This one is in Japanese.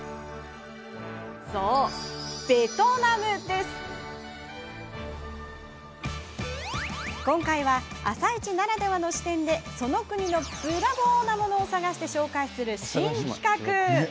そう今回は「あさイチ」ならではの視点でその国のブラボー！なものを探して紹介する新企画。